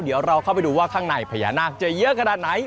เดี๋ยวเราเข้าไปดูว่าข้างในพญานาคจะเยอะขนาดไหน